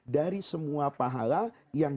dari semua pahala yang